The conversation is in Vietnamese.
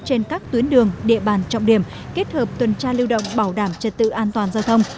trên các tuyến đường địa bàn trọng điểm kết hợp tuần tra lưu động bảo đảm trật tự an toàn giao thông